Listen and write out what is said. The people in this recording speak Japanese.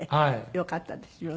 よかったですよね。